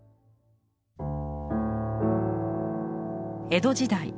江戸時代